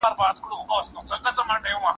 زه لا پروت وم ښکلول مې پایزېبونه